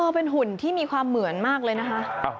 เป็นหุ่นที่มีความเหมือนมากเลยนะคะ